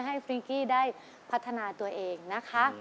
ฟิงกี้ได้พัฒนาตัวเองนะคะ